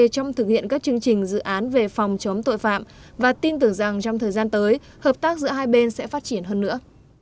trong thực hiện các chương trình dự án về phòng chống tội phạm và tin tưởng rằng trong thời gian tới hợp tác giữa hai bên sẽ phát triển hơn nữa